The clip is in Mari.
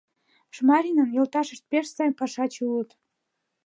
Шмаринын йолташышт пеш сай пашаче улыт.